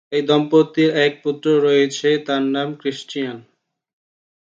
এই দম্পতির এক পুত্র রয়েছে, তার নাম ক্রিশ্চিয়ান।